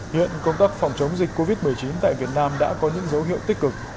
hiện công tác phòng chống dịch covid một mươi chín tại việt nam đã có những dấu hiệu tích cực